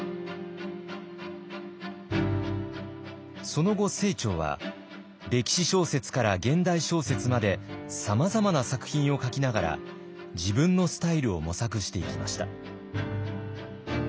その後清張は歴史小説から現代小説までさまざまな作品を書きながら自分のスタイルを模索していきました。